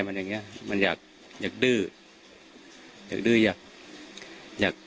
มันอย่างเงี้ยมันอยากอยากดื้ออยากดื้ออยากอยากอยาก